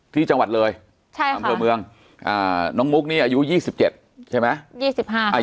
ที่จังหวัดเลยใช่ค่ะอ่าน้องมุกนี้อายุยี่สิบเจ็ดใช่ไหมยี่สิบห้า